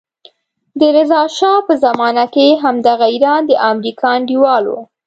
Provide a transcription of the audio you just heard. د رضا شا په زمانه کې همدغه ایران د امریکا انډیوال وو.